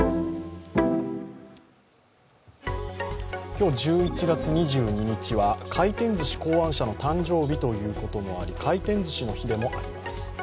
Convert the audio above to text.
今日１１月２２日は回転ずし考案者の誕生日ということで回転ずしの日でもあります。